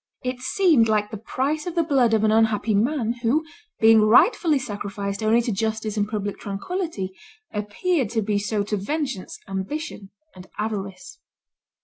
It seemed like the price of the blood of an unhappy man, who, being rightfully sacrificed only to justice and public tranquillity, appeared to be so to vengeance, ambition, and avarice."